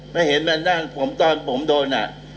ไม่เห็นแบบนั้นตอนผมโดนอะ